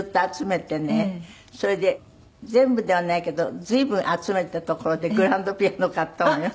それで全部ではないけど随分集めたところでグランドピアノ買ったのよ。